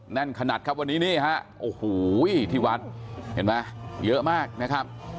แน่นขนาดครับวันนี้นี่ฮะโอ้โหที่วัดเห็นไหมเยอะมากนะครับ